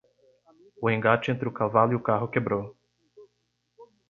O engate entre o cavalo e o carro quebrou.